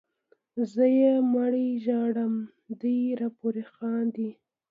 زه یې مړی ژاړم دوی راپورې خاندي